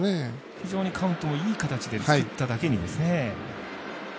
非常にカウントもいい形に作っただけにですね。